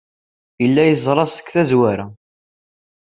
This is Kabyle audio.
Yella yeẓra seg tazwara.